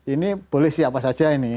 ini boleh siapa saja ini